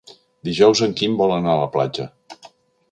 Dijous en Quim vol anar a la platja.